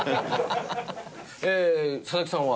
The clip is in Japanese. ええ佐々木さんは？